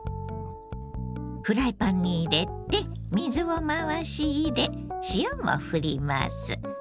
フライパンに入れて水を回し入れ塩もふります。